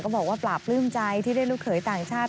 ก็บอกว่าปราบรื่มใจที่ได้รู้เคยต่างชาติ